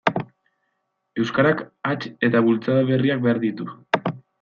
Euskarak hats eta bultzada berriak behar ditu.